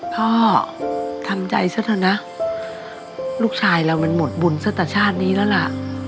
พ่อทำใจซะเถอะนะลูกชายเรามันหมดบุญซะแต่ชาตินี้แล้วล่ะ